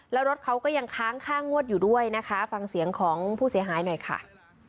แล้วรถเขาก็ยังค้างค่างวดอยู่ด้วยนะคะฟังเสียงของผู้เสียหายหน่อยค่ะ